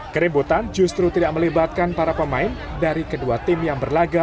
keributan justru tidak melibatkan para pemain dari kedua tim yang berlaga